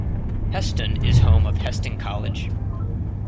Hesston is home of Hesston College.